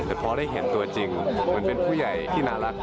แต่พอได้เห็นตัวจริงเหมือนเป็นผู้ใหญ่ที่น่ารัก